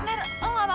mer apa kabar